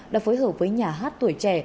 đã phối hợp với nhà hát tuổi trẻ